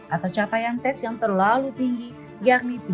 atau capaian tes yang terlalu tinggi yakni tiga ratus dua puluh poin